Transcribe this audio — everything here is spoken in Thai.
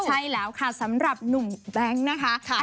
ใช่แล้วค่ะสำหรับหนุ่มแบงค์นะคะ